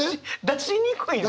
出しにくい！